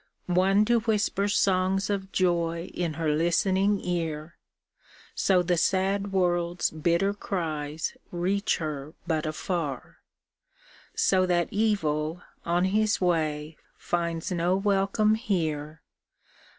One to whisper songs of joy in her listening ear, So the sad world's bitter cries reach her but afar; So that evil, on his way, finds no welcome here.